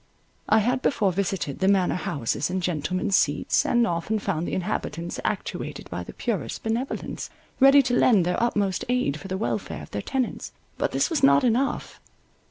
I had before visited the manor houses and gentlemen's seats, and often found the inhabitants actuated by the purest benevolence, ready to lend their utmost aid for the welfare of their tenants. But this was not enough.